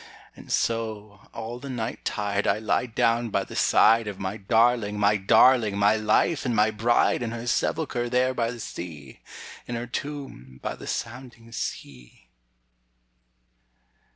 And so, all the night tide I lie down by the side Of my darling, my darling, my life, and my bride, In her sepulchre there by the sea, In her tomb by the sounding sea.